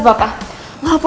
udah bangga gue kok